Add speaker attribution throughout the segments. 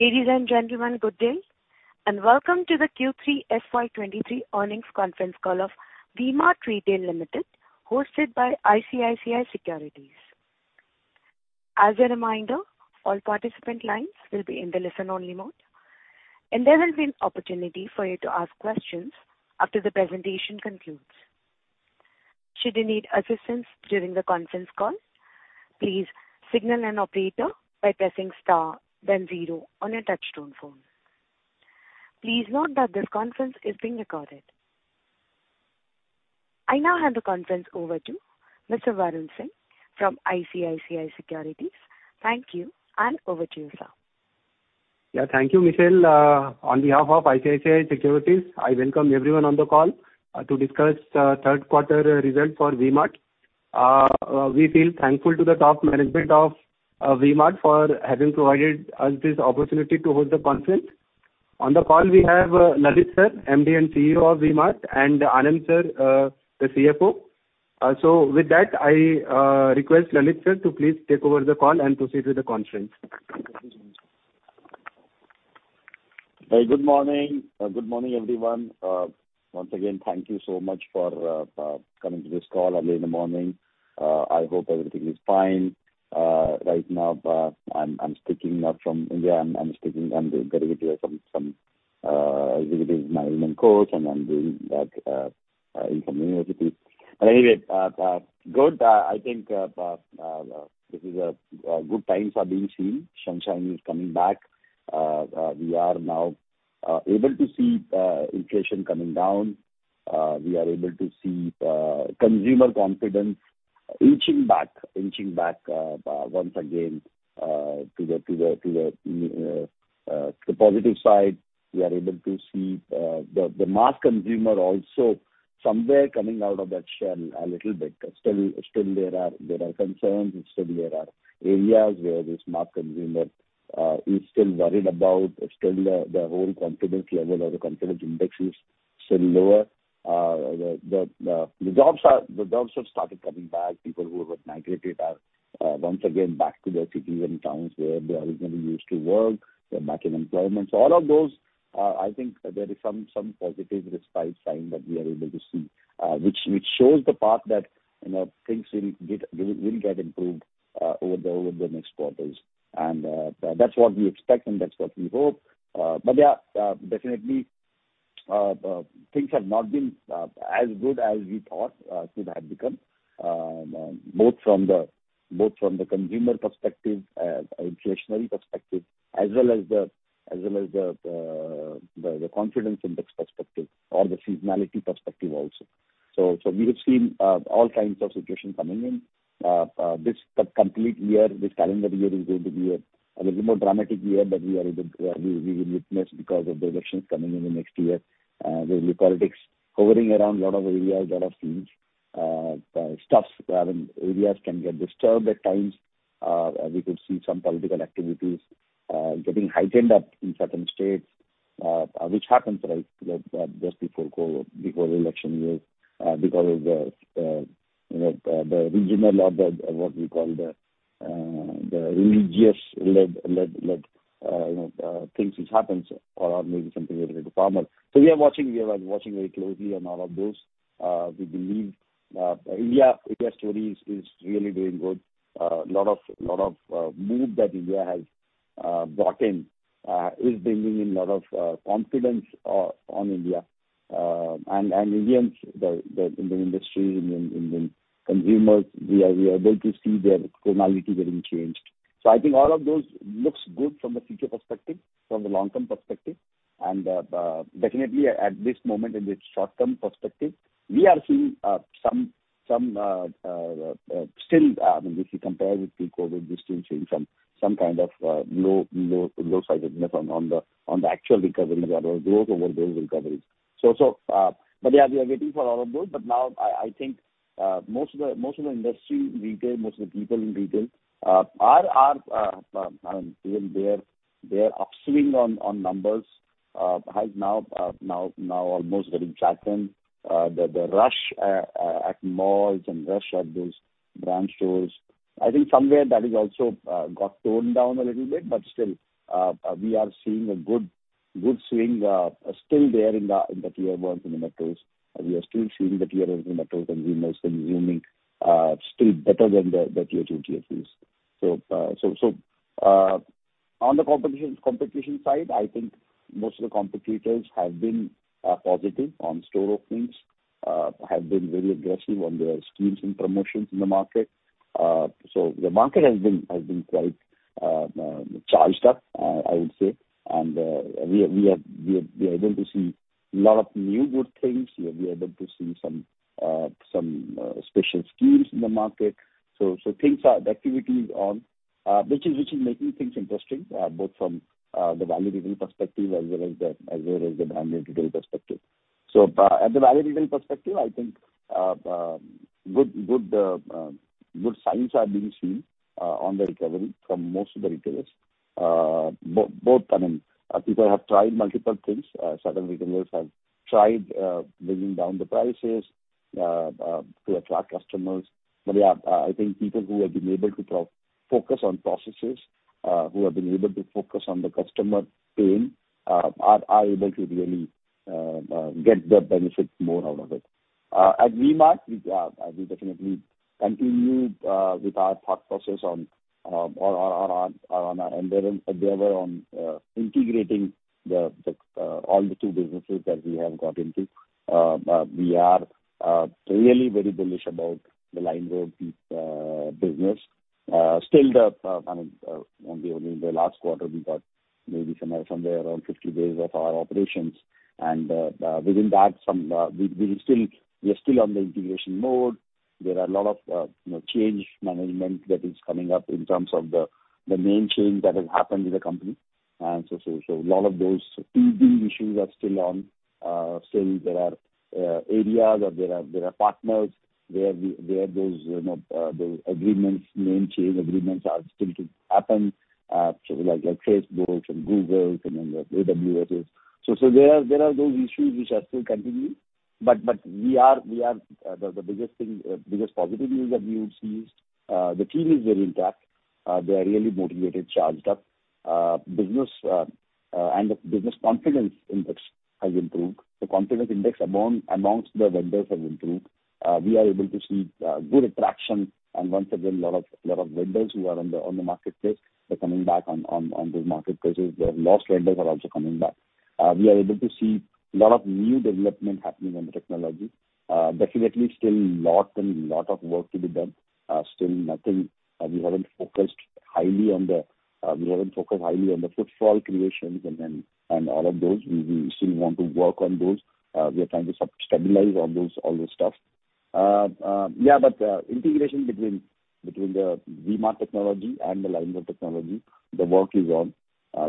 Speaker 1: Ladies and gentlemen, good day. Welcome to the Q3 FY23 earnings conference call of V-Mart Retail Limited, hosted by ICICI Securities. As a reminder, all participant lines will be in the listen only mode. There will be an opportunity for you to ask questions after the presentation concludes. Should you need assistance during the conference call, please signal an operator by pressing star then 0 on your touch-tone phone. Please note that this conference is being recorded. I now hand the conference over to Mr. Varun Singh from ICICI Securities. Thank you. Over to you, sir.
Speaker 2: Thank you, Michelle. On behalf of ICICI Securities, I welcome everyone on the call to discuss third quarter results for V-Mart. We feel thankful to the top management of V-Mart for having provided us this opportunity to host the conference. On the call, we have Lalit sir, MD and CEO of V-Mart, and Anand sir, the CFO. With that, I request Lalit sir to please take over the call and proceed with the conference.
Speaker 3: Hi. Good morning. Good morning, everyone. Once again, thank you so much for coming to this call early in the morning. I hope everything is fine. Right now, I'm speaking from India. I'm getting it here from some executive management course, and I'm doing that in some university. Anyway, good. I think this is good times are being seen. Sunshine is coming back. We are now able to see inflation coming down. We are able to see consumer confidence inching back once again to the positive side. We are able to see the mass consumer also somewhere coming out of that shell a little bit. Still, there are concerns. Still there are areas where this mass consumer is still worried about. Still the whole confidence level or the confidence index is still lower. The jobs have started coming back. People who have migrated are once again back to their cities and towns where they originally used to work. They're back in employment. All of those, I think there is some positive respite sign that we are able to see, which shows the path that, you know, things will get improved over the next quarters. That's what we expect and that's what we hope. Yeah, definitely, things have not been as good as we thought could have become, both from the consumer perspective, inflationary perspective, as well as the confidence index perspective or the seasonality perspective also. We have seen all kinds of situations coming in. This complete year, this calendar year is going to be a little more dramatic year that we are able, we will witness because of the elections coming in the next year. There will be politics hovering around lot of areas, lot of things. Stuffs, I mean, areas can get disturbed at times. We could see some political activities getting heightened up in certain states, which happens right just before election years because of the, you know, the regional or the, what we call the religious led, you know, things which happens or maybe something related to farmer. We are watching. We are watching very closely on all of those. We believe India story is really doing good. Lot of move that India has brought in is bringing in lot of confidence on India. Indians, the Indian industry, Indian consumers, we are able to see their criminality getting changed. I think all of those looks good from the future perspective, from the long-term perspective. Definitely at this moment in the short-term perspective, we are seeing some still, if you compare with pre-COVID, we still seeing some kind of low sightedness on the actual recovery rather growth over those recoveries. Yeah, we are waiting for all of those. Now I think most of the industry in retail, most of the people in retail are, I mean, their upswing on numbers has now almost getting flattened. The rush at malls and rush at those brand stores, I think somewhere that is also got toned down a little bit. Still, we are seeing a good swing, still there in the tier ones and the metros. We are still seeing the tier ones and the metros consumers consuming, still better than the tier two, tier threes. On the competition side, I think most of the competitors have been positive on store openings, have been very aggressive on their schemes and promotions in the market. The market has been quite charged up, I would say. We are able to see lot of new good things. We are able to see some special schemes in the market. Things are actively on, which is making things interesting, both from the value retail perspective as well as the brand retail perspective. At the value retail perspective, I think good signs are being seen on the recovery from most of the retailers. Both, I mean, people have tried multiple things. Certain retailers have tried bringing down the prices. To attract customers. Yeah, I think people who have been able to focus on processes, who have been able to focus on the customer pain, are able to really get the benefits more out of it. At V-Mart, we definitely continued with our thought process on our endeavor on integrating the all the two businesses that we have got into. We are really very bullish about the LimeRoad business. Still, I mean, only in the last quarter, we got maybe somewhere from there around 50 days of our operations, and within that some, we are still on the integration mode. There are a lot of, you know, change management that is coming up in terms of the main change that has happened in the company. A lot of those teething issues are still on. Uh, say there are, uh, areas or there are, there are partners where we, where those, you know, uh, those agreements, main change agreements are still to happen. Uh, so like, like Facebooks and Googles and then the AWS's. So, so there are, there are those issues which are still continuing. But, but we are, we are, uh, the, the biggest thing, uh, biggest positive news that we have seen is, uh, the team is very intact. Uh, they are really motivated, charged up. Uh, business, uh, uh, and the business confidence index has improved. The confidence index among, amongst the vendors has improved. Uh, we are able to see, uh, good traction and once again, lot of, lot of vendors who are on the, on the marketplace, they're coming back on, on, on those marketplaces. The lost vendors are also coming back. We are able to see lot of new development happening on the technology. Definitely still lot and lot of work to be done. Still nothing, we haven't focused highly on the footfall creations and all of those. We still want to work on those. We are trying to sub-stabilize all those stuff. Yeah, integration between the V-Mart technology and the LimeRoad technology, the work is on.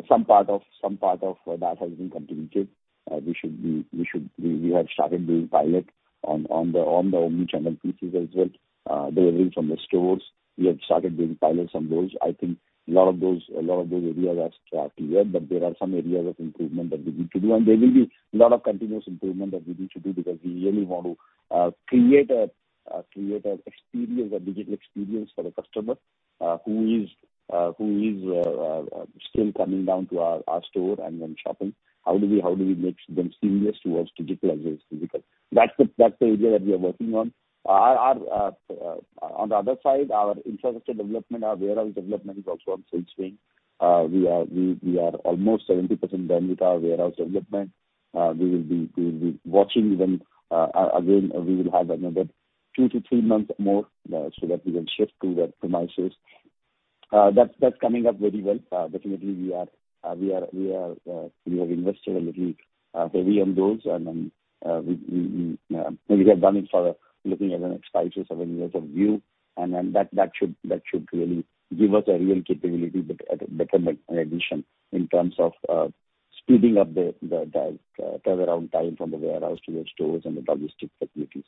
Speaker 3: Some part of that has been completed. We have started doing pilot on the omnichannel pieces as well. Delivering from the stores, we have started doing pilots on those. I think a lot of those areas are still active, yeah. There are some areas of improvement that we need to do. There will be lot of continuous improvement that we need to do because we really want to create an experience, a digital experience for the customer, who is still coming down to our store and then shopping. How do we make them seamless towards digital as well? Because that's the area that we are working on. Our on the other side, our infrastructure development, our warehouse development is also on full swing. We are almost 70% done with our warehouse development. We will be watching them again, we will have another 2-3 months more so that we can shift to the premises. That's coming up very well. Definitely we are, we have invested a little heavy on those. We have done it for looking at the next five to seven years of view. That should really give us a real capability, but at a better, an addition in terms of speeding up the turnaround time from the warehouse to the stores and the logistic facilities.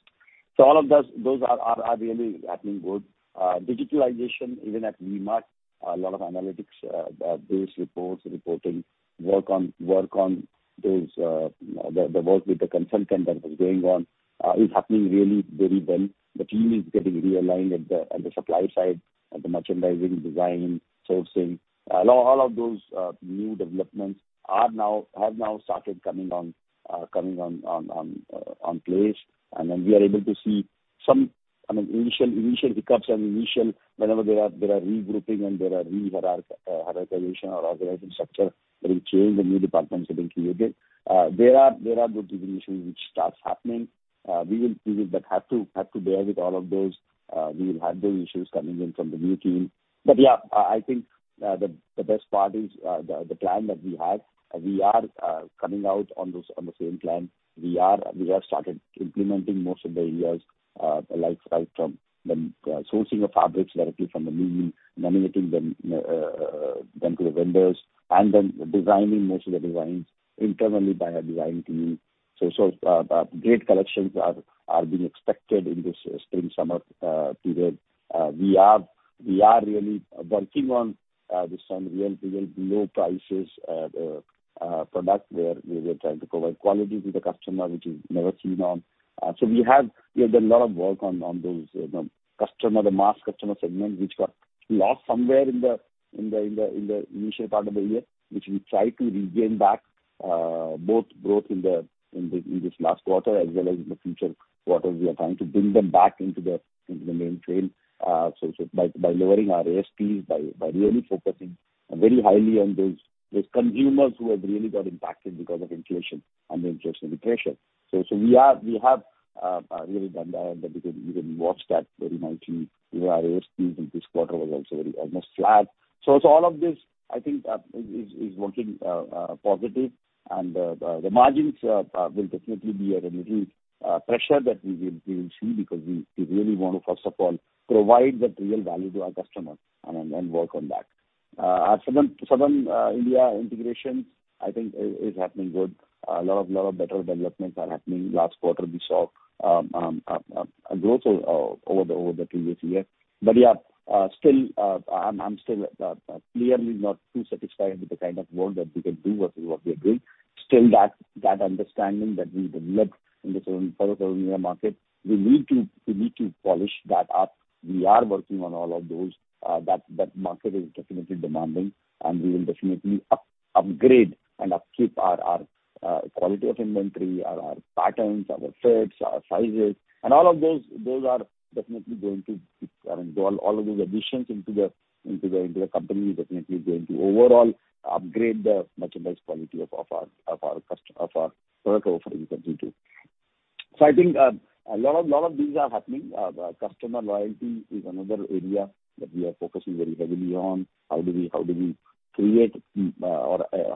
Speaker 3: All of those are really happening good. Digitalization even at V-Mart, a lot of analytics, base reports, reporting, work on those, the work with the consultant that was going on, is happening really very well. The team is getting realigned at the supply side, at the merchandising, design, sourcing. All of those new developments have now started coming on place. We are able to see some, I mean, initial hiccups and whenever there are regrouping and there are hierarchization or organizing structure that will change, the new departments have been created. There are good degree of issues which starts happening. We will but have to bear with all of those. We will have those issues coming in from the new team. Yeah, I think the best part is the plan that we have, we are coming out on those, on the same plan. We have started implementing most of the areas, like right from the sourcing of fabrics directly from the mill, nominating them to the vendors, and then designing most of the designs internally by our design team. Great collections are being expected in this spring-summer period. We are really working on with some real low prices product where we were trying to provide quality to the customer, which is never seen on. We have done a lot of work on those, you know, customer, the mass customer segment, which got lost somewhere in the initial part of the year, which we try to regain back both growth in the last quarter as well as in the future quarters. We are trying to bring them back into the mainstream by lowering our ASPs, by really focusing very highly on those consumers who have really got impacted because of inflation and the interest in the fashion. We have really done that because we will watch that very nicely. You know, our ASPs in this quarter was also very almost flat. All of this, I think, is working positive. The margins will definitely be at a little pressure that we will see because we really want to, first of all, provide that real value to our customers and work on that. Our Southern India integration, I think is happening good. A lot of better developments are happening. Last quarter, we saw A growth over the previous year. Still, I'm still clearly not too satisfied with the kind of work that we can do versus what we are doing. Still that understanding that we developed for the seven-year market, we need to polish that up. We are working on all of those, that market is definitely demanding. We will definitely upgrade and upkeep our quality of inventory, our patterns, our fits, our sizes. All of those are definitely going to, I mean, all of those additions into the company is definitely going to overall upgrade the merchandise quality of our product offering completely. I think a lot of these are happening. The customer loyalty is another area that we are focusing very heavily on. How do we create,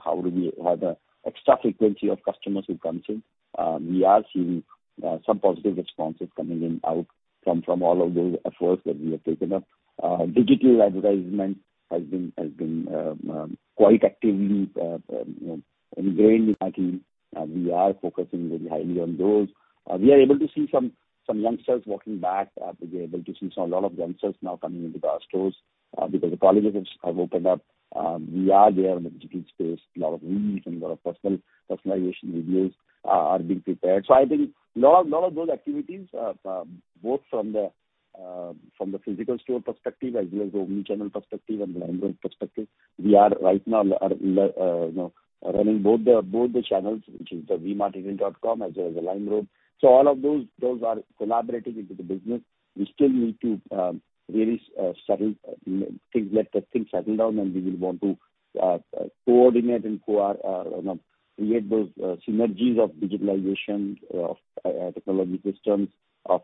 Speaker 3: how do we have extra frequency of customers who come to. We are seeing some positive responses coming in out from all of those efforts that we have taken up. Digital advertisement has been, you know, ingrained in our team. We are focusing very highly on those. We are able to see some youngsters walking back. We are able to see some lot of youngsters now coming into our stores because the colleges have opened up. We are there in the digital space. A lot of videos and a lot of personalization videos are being prepared. I think lot of those activities are both from the physical store perspective as well as the omnichannel perspective and the LimeRoad perspective. We are right now, you know, running both the channels, which is the vmart.co.in as well as the LimeRoad. All of those are collaborating into the business. We still need to really settle, let the things settle down, and we will want to coordinate and co-op, create those synergies of digitalization of technology systems of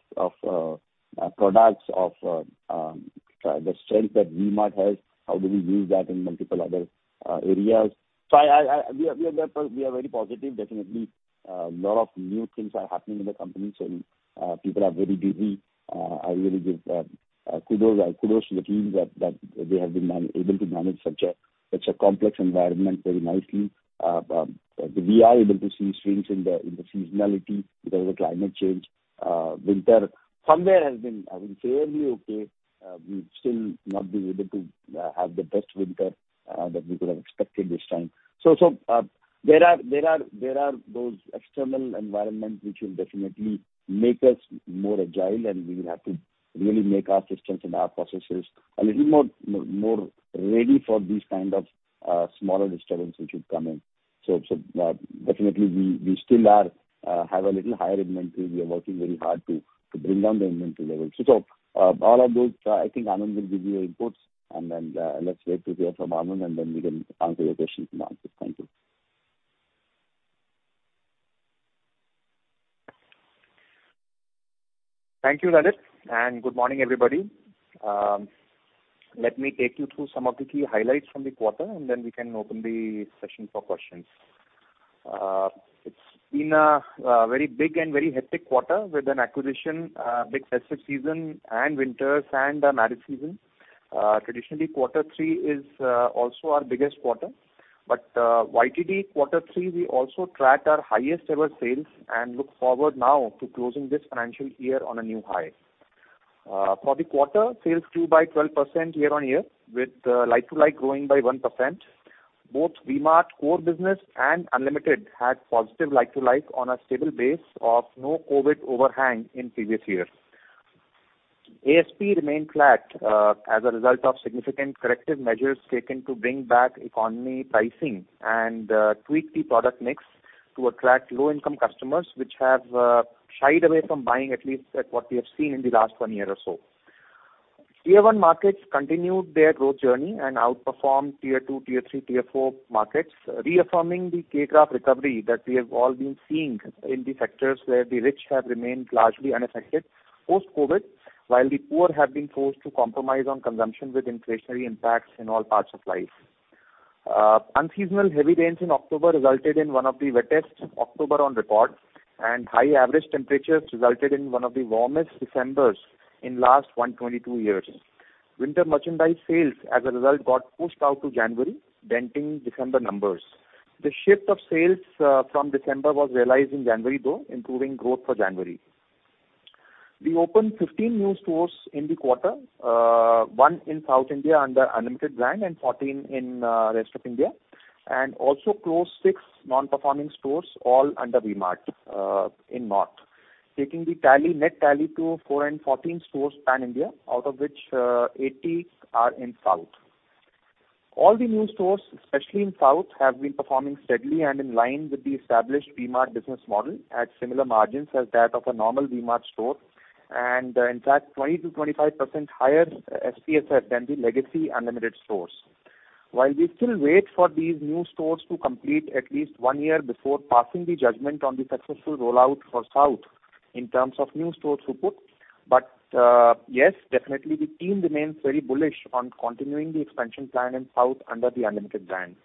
Speaker 3: products of the strength that V-Mart has, how do we use that in multiple other areas. We are very positive. Definitely, a lot of new things are happening in the company. People are very busy. I really give kudos to the teams that they have been able to manage such a complex environment very nicely. We are able to see swings in the seasonality because of the climate change. Winter somewhere has been, I mean, fairly okay. We've still not been able to have the best winter that we could have expected this time. There are those external environments which will definitely make us more agile, and we will have to really make our systems and our processes a little more ready for these kind of smaller disturbance which would come in. Definitely we still are have a little higher inventory. We are working very hard to bring down the inventory levels. All of those, I think Anand will give you inputs, and then, let's wait to hear from Anand, and then we can answer your questions and answers. Thank you.
Speaker 4: Thank you, Lalit. Good morning, everybody. Let me take you through some of the key highlights from the quarter. We can open the session for questions. It's been a very big and very hectic quarter with an acquisition, big festive season and winters and marriage season. Traditionally, quarter three is also our biggest quarter. YTD quarter three, we also tracked our highest ever sales and look forward now to closing this financial year on a new high. For the quarter, sales grew by 12% year-on-year, with like-to-like growing by 1%. Both V-Mart core business and Unlimited had positive like-to-like on a stable base of no COVID overhang in previous years. ASP remained flat, as a result of significant corrective measures taken to bring back economy pricing and tweak the product mix to attract low-income customers which have shied away from buying, at least at what we have seen in the last one year or so. Tier one markets continued their growth journey and outperformed tier two, tier three, tier four markets, reaffirming the K-shaped recovery that we have all been seeing in the sectors where the rich have remained largely unaffected post-COVID, while the poor have been forced to compromise on consumption with inflationary impacts in all parts of life. Unseasonal heavy rains in October resulted in one of the wettest October on record, and high average temperatures resulted in one of the warmest Decembers in last 122 years. Winter merchandise sales, as a result, got pushed out to January, denting December numbers. The shift of sales from December was realized in January, though, improving growth for January. We opened 15 new stores in the quarter, 1 in South India under Unlimited and 14 in rest of India, and also closed 6 non-performing stores all under V-Mart in north, taking the tally, net tally to 414 stores pan-India, out of which, 80 are in South. All the new stores, especially in South, have been performing steadily and in line with the established V-Mart business model at similar margins as that of a normal V-Mart store, and, in fact, 20%-25% higher SPSF than the legacy Unlimited stores. While we still wait for these new stores to complete at least one year before passing the judgment on the successful rollout for South in terms of new store throughput, yes, definitely the team remains very bullish on continuing the expansion plan in South under the Unlimited brand.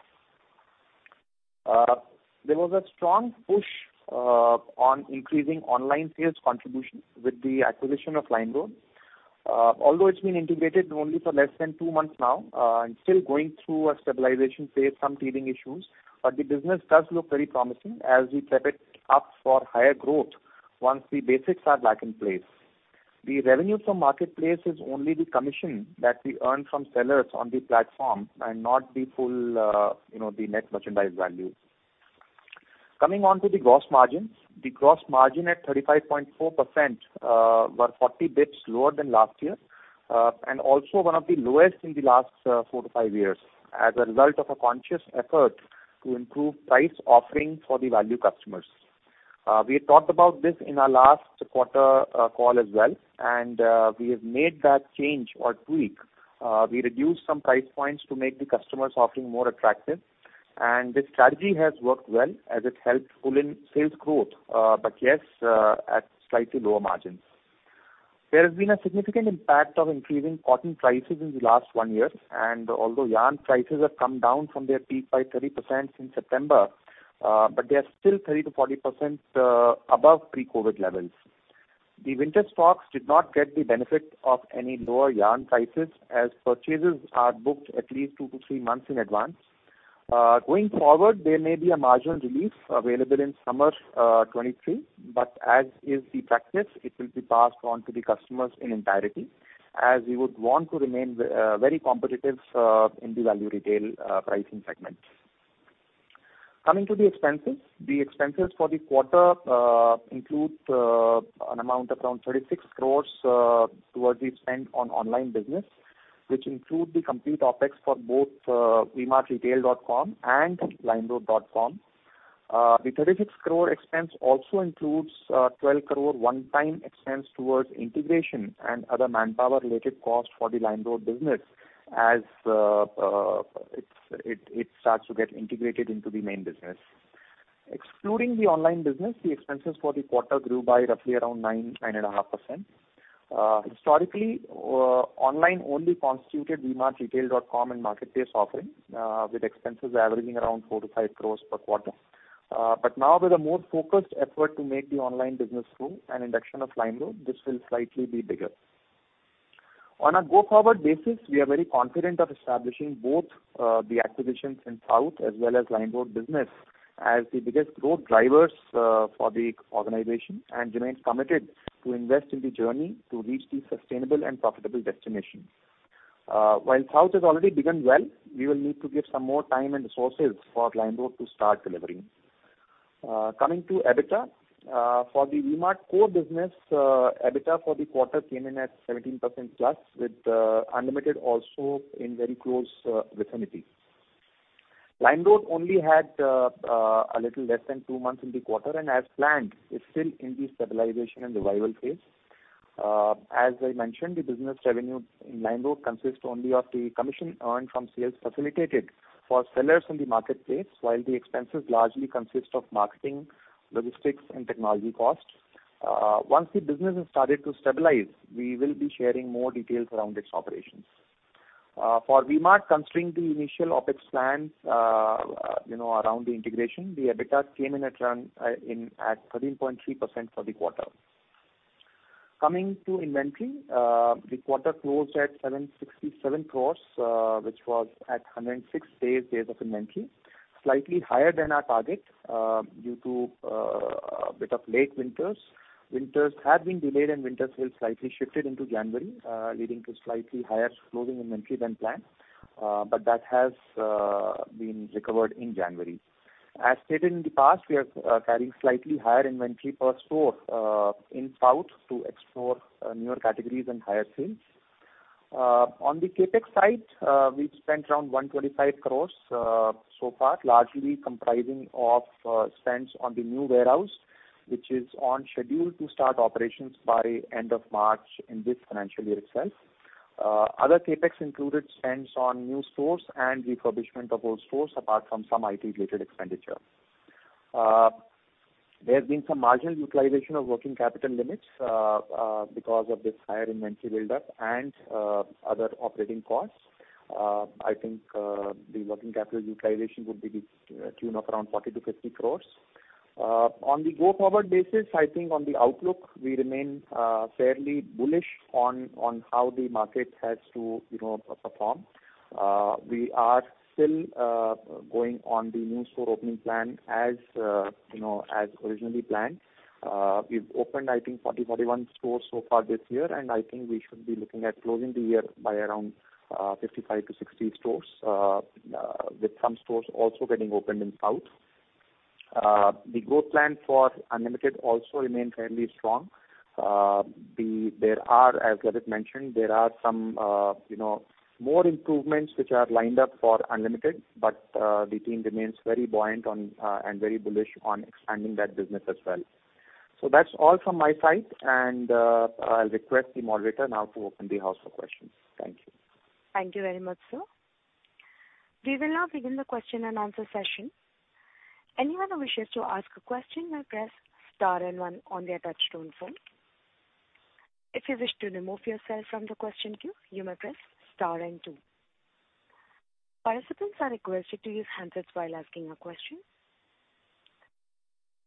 Speaker 4: There was a strong push on increasing online sales contribution with the acquisition of LimeRoad. Although it's been integrated only for less than two months now, and still going through a stabilization phase, some teething issues, the business does look very promising as we prep it up for higher growth once the basics are back in place. The revenue from marketplace is only the commission that we earn from sellers on the platform and not the full, you know, the net merchandise value. Coming on to the gross margins. The gross margin at 35.4% were 40 basis points lower than last year, and also one of the lowest in the last four to five years as a result of a conscious effort to improve price offering for the value customers. We had talked about this in our last quarter call as well, we have made that change or tweak. We reduced some price points to make the customers' offering more attractive. This strategy has worked well as it helped pull in sales growth, at slightly lower margins. There has been a significant impact of increasing cotton prices in the last 1 year, although yarn prices have come down from their peak by 30% since September, they are still 30%-40% above pre-COVID levels. The winter stocks did not get the benefit of any lower yarn prices as purchases are booked at least two to three months in advance. Going forward, there may be a marginal relief available in summer 2023, but as is the practice, it will be passed on to the customers in entirety, as we would want to remain very competitive in the value retail pricing segment. Coming to the expenses. The expenses for the quarter include an amount around 36 crores towards the spend on online business, which include the complete OpEx for both vmartretail.com and limeroad.com. The 36 crore expense also includes 12 crore one-time expense towards integration and other manpower-related costs for the LimeRoad business as it starts to get integrated into the main business. Excluding the online business, the expenses for the quarter grew by roughly around 9.5%. Historically, online only constituted vmartretail.com and marketplace offerings, with expenses averaging around 4-5 crores per quarter. Now with a more focused effort to make the online business grow and induction of LimeRoad, this will slightly be bigger. On a go-forward basis, we are very confident of establishing both, the acquisitions in South as well as LimeRoad business as the biggest growth drivers, for the organization and remain committed to invest in the journey to reach the sustainable and profitable destination. South has already begun well, we will need to give some more time and resources for LimeRoad to start delivering. Coming to EBITDA. For the V-Mart core business, EBITDA for the quarter came in at 17% plus, with Unlimited also in very close vicinity. LimeRoad only had a little less than two months in the quarter, as planned, is still in the stabilization and revival phase. As I mentioned, the business revenue in LimeRoad consists only of the commission earned from sales facilitated for sellers in the marketplace, while the expenses largely consist of marketing, logistics, and technology costs. Once the business has started to stabilize, we will be sharing more details around its operations. For V-Mart, considering the initial OpEx plans, you know, around the integration, the EBITDA came in at around 13.3% for the quarter. Coming to inventory. The quarter closed at 767 crores, which was at 106 days of inventory, slightly higher than our target, due to a bit of late winters. Winters had been delayed, winters were slightly shifted into January, leading to slightly higher closing inventory than planned, that has been recovered in January. As stated in the past, we are carrying slightly higher inventory per store in South to explore newer categories and higher sales. On the CapEx side, we've spent around 125 crores so far, largely comprising of spends on the new warehouse, which is on schedule to start operations by end of March in this financial year itself. Other CapEx included spends on new stores and refurbishment of old stores, apart from some IT-related expenditure. There's been some marginal utilization of working capital limits because of this higher inventory buildup and other operating costs. I think the working capital utilization would be the tune of around 40-50 crores. On the go-forward basis, I think on the outlook, we remain fairly bullish on how the market has to, you know, perform. We are still going on the new store opening plan as, you know, as originally planned. We've opened I think 40-41 stores so far this year, and I think we should be looking at closing the year by around 55-60 stores with some stores also getting opened in South. The growth plan for Unlimited also remain fairly strong. There are, as Lalit mentioned, there are some, you know, more improvements which are lined up for Unlimited, but the team remains very buoyant on and very bullish on expanding that business as well. That's all from my side, and I'll request the moderator now to open the house for questions. Thank you.
Speaker 1: Thank you very much, sir. We will now begin the question and answer session. Anyone who wishes to ask a question may press star 1 on their touchtone phone. If you wish to remove yourself from the question queue, you may press star 2. Participants are requested to use handsets while asking a question.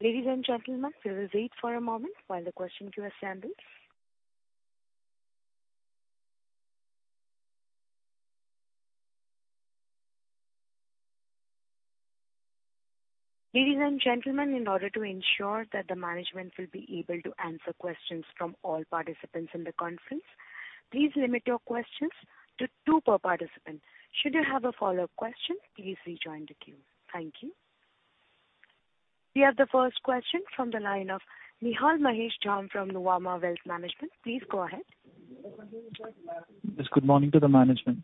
Speaker 1: Ladies and gentlemen, please wait for a moment while the questions are sampled. Ladies and gentlemen, in order to ensure that the management will be able to answer questions from all participants in the conference, please limit your questions to two per participant. Should you have a follow-up question, please rejoin the queue. Thank you. We have the first question from the line of Nihal Mahesh Jham from Nuvama Wealth Management. Please go ahead.
Speaker 5: Yes. Good morning to the management.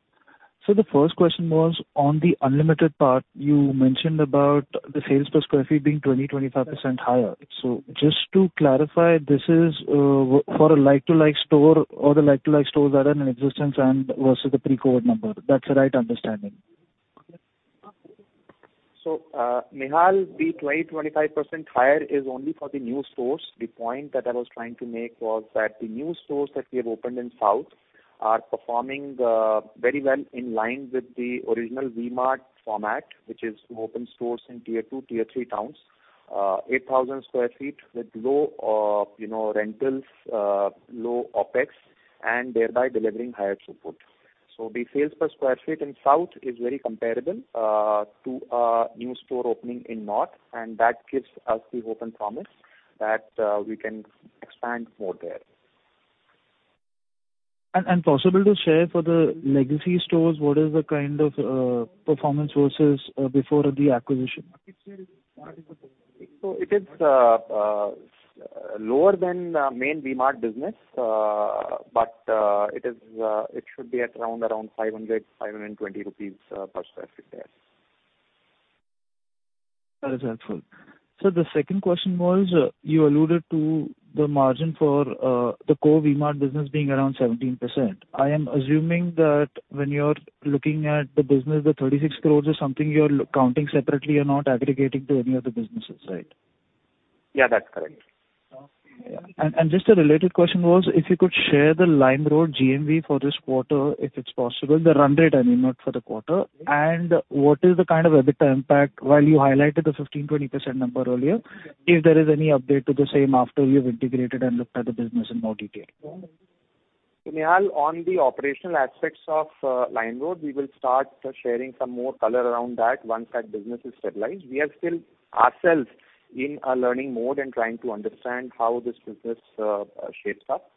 Speaker 5: The first question was on the Unlimited part. You mentioned about the sales per square feet being 25% higher. Just to clarify, this is for a like-for-like store or the like-for-like stores that are in existence and versus the pre-COVID number. That's the right understanding?
Speaker 4: Nihal, the 20%-25% higher is only for the new stores. The point that I was trying to make was that the new stores that we have opened in South are performing very well in line with the original V-Mart format, which is to open stores in tier two, tier three towns, 8,000 sq ft with low, you know, rentals, low OpEx, and thereby delivering higher throughput. The sales per square feet in South is very comparable to a new store opening in North, and that gives us the hope and promise that we can expand more there.
Speaker 5: Possible to share for the legacy stores what is the kind of performance versus before the acquisition?
Speaker 4: It is lower than main V-Mart business. It is it should be at around 520 rupees per sq ft there.
Speaker 5: That is helpful. The second question was, you alluded to the margin for the core V-Mart business being around 17%. I am assuming that when you're looking at the business, the 36 crores is something you're counting separately and not aggregating to any other businesses, right?
Speaker 4: Yeah, that's correct.
Speaker 5: Just a related question was if you could share the LimeRoad GMV for this quarter, if it's possible, the run rate, I mean, not for the quarter? What is the kind of EBITDA impact while you highlighted the 15%-20% number earlier, if there is any update to the same after you've integrated and looked at the business in more detail?
Speaker 4: Nihal, on the operational aspects of LimeRoad, we will start sharing some more color around that once that business is stabilized. We are still ourselves in a learning mode and trying to understand how this business shapes up.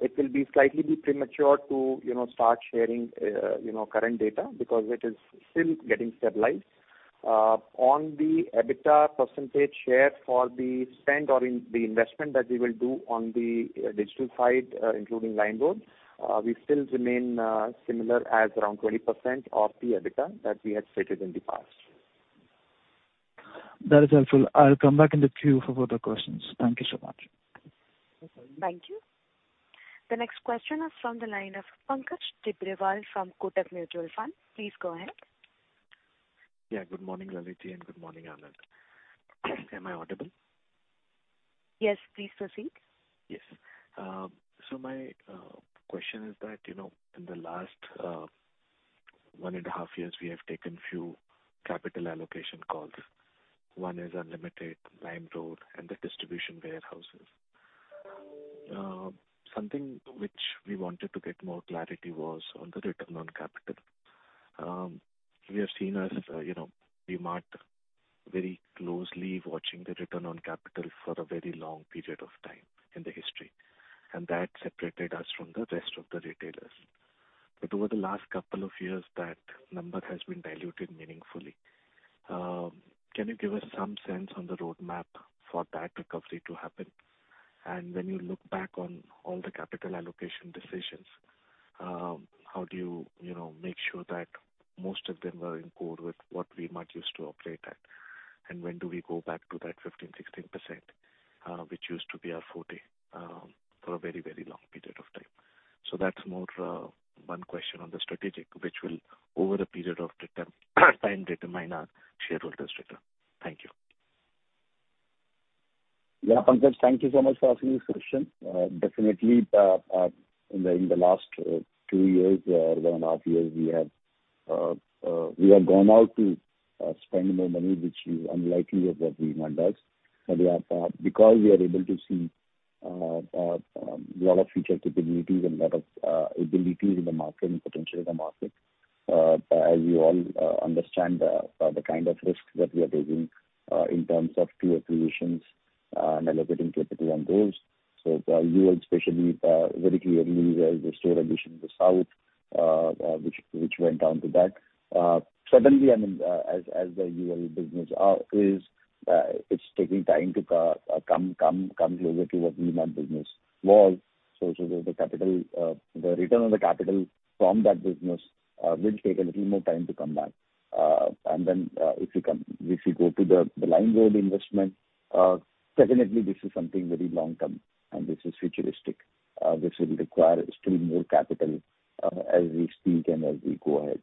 Speaker 4: It will be slightly be premature to, you know, start sharing, you know, current data because it is still getting stabilized. On the EBITDA percentage share for the spend or in the investment that we will do on the digital side, including LimeRoad, we still remain similar as around 20% of the EBITDA that we had stated in the past.
Speaker 5: That is helpful. I'll come back in the queue for further questions. Thank you so much.
Speaker 1: Thank you. The next question is from the line of Pankaj Tibrewal from Kotak Mutual Fund. Please go ahead.
Speaker 6: Yeah. Good morning, Lalit, and good morning, Anand. Am I audible?
Speaker 1: Yes. Please proceed.
Speaker 6: Yes. My question is that, you know, in the last one and a half years, we have taken few capital allocation calls. One is Unlimited LimeRoad and the distribution warehouses. Something which we wanted to get more clarity was on the return on capital. We have seen as, you know, V-Mart very closely watching the return on capital for a very long period of time in the history, and that separated us from the rest of the retailers. Over the last couple of years, that number has been diluted meaningfully. Can you give us some sense on the roadmap for that recovery to happen? When you look back on all the capital allocation decisions, how do you know, make sure that most of them were in core with what V-Mart used to operate at? When do we go back to that 15%-16%, which used to be our forte, for a very long period of time? That's more, one question on the strategic, which will over a period of return time determine our shareholders' return. Thank you.
Speaker 3: Yeah. Pankaj, thank you so much for asking this question. Definitely, in the last two years or one and a half years, we have gone out to spend more money, which is unlikely of what V-Mart does. We are, because we are able to see lot of future capabilities and lot of abilities in the market and potential in the market, as you all understand the kind of risks that we are taking in terms of two acquisitions and allocating capital on those. UL especially, very clearly as the store addition in the South, which went down to that. Suddenly, I mean, as the UL business is, it's taking time to come closer to what V-Mart business was. The capital, the return on the capital from that business will take a little more time to come back. If you go to the LimeRoad investment, certainly this is something very long-term, and this is futuristic. This will require still more capital as we speak and as we go ahead.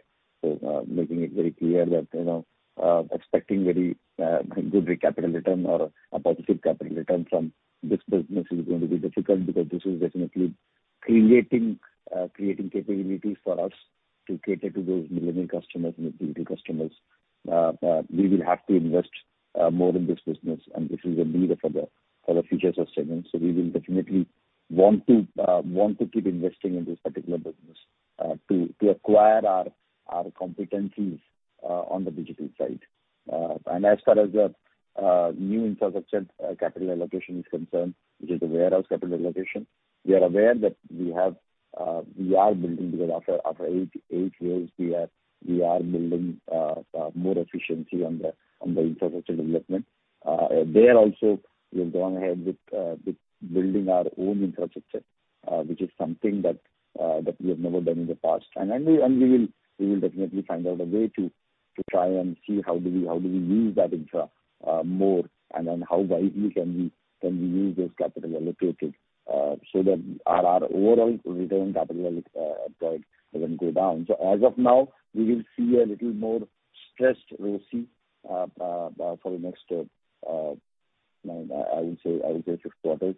Speaker 3: Making it very clear that, you know, expecting very good capital return or a positive capital return from this business is going to be difficult because this is definitely creating capabilities for us to cater to those millennial customers and the digital customers. We will have to invest more in this business, and this is a need for the future of seven. We will definitely want to keep investing in this particular business to acquire our competencies on the digital side. And as far as the new infrastructure capital allocation is concerned, which is the warehouse capital allocation, we are aware that we are building because after 8 years, we are building more efficiency on the infrastructure development. There also we have gone ahead with building our own infrastructure, which is something that we have never done in the past. We will definitely find out a way to try and see how do we use that infra more, and then how widely can we use this capital allocated so that our overall return capital deployed doesn't go down. As of now, we will see a little more stressed ROCE for the next 6 quarters.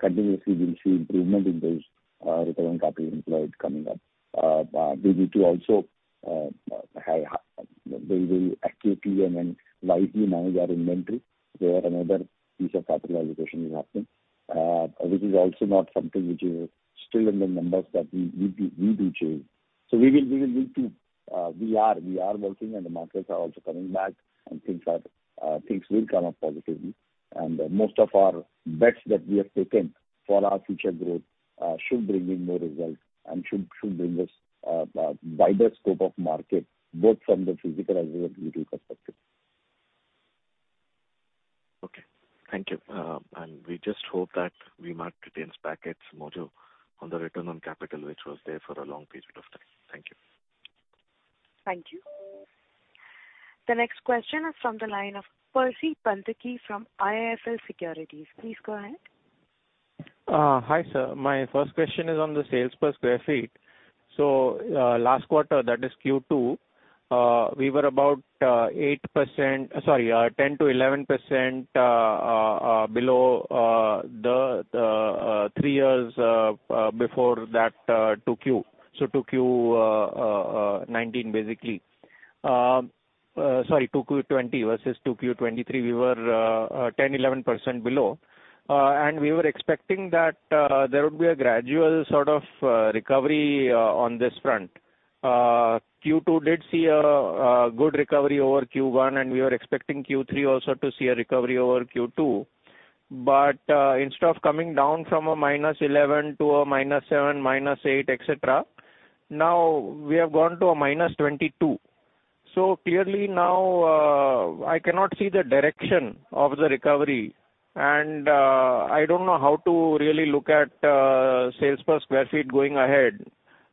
Speaker 3: Continuously we will see improvement in those return capital employed coming up. We need to also have, they will actively and then wisely manage our inventory where another piece of capital allocation is happening, which is also not something which is still in the numbers that we do change. We will need to, we are, we are working and the markets are also coming back and things are, things will come up positively. Most of our bets that we have taken for our future growth, should bring in more results and should bring us, wider scope of market, both from the physical as well as digital perspective.
Speaker 6: Okay. Thank you. We just hope that V-Mart retains back its module on the return on capital, which was there for a long period of time. Thank you.
Speaker 1: Thank you. The next question is from the line of Percy Panthaki from IIFL Securities. Please go ahead.
Speaker 7: Hi sir. My first question is on the sales per sq ft. Last quarter, that is Q2, we were about 8%... Sorry, 10%-11% below the three years before that 2Q. 2Q 2019 basically. Sorry, 2Q 2020 versus 2Q 2023, we were 10%-11% below. We were expecting that there would be a gradual sort of recovery on this front. Q2 did see a good recovery over Q1, and we are expecting Q3 also to see a recovery over Q2. Instead of coming down from a -11 to a -7, -8, et cetera, now we have gone to a -22. Clearly now, I cannot see the direction of the recovery, I don't know how to really look at sales per square feet going ahead.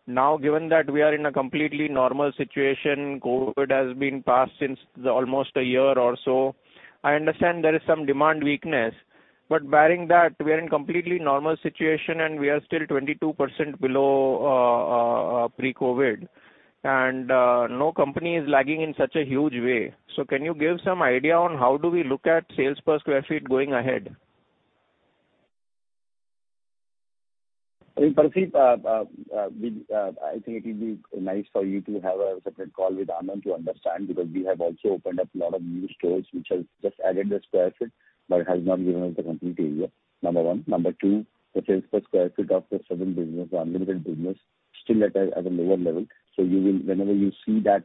Speaker 7: Given that we are in a completely normal situation, COVID has been passed since almost 1 year or so, I understand there is some demand weakness. Barring that, we are in completely normal situation, and we are still 22% below pre-COVID. No company is lagging in such a huge way. Can you give some idea on how do we look at sales per square feet going ahead?
Speaker 3: I mean, Percy, we I think it will be nice for you to have a separate call with Anand to understand, because we have also opened up a lot of new stores which has just added the square feet, but has not given us the complete area, number one. Number two, the sales per square feet of the seven business or Unlimited business still at a lower level. You will whenever you see that